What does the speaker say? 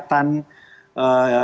isu tentang isu kesehatan